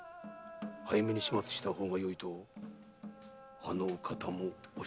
早めに始末した方がよいとあのお方もおっしゃっております。